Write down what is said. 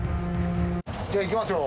じゃあいきますよ。